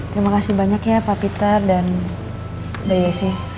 terima kasih banyak ya pak pitar dan dayasi